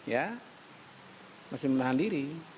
ya harus menahan diri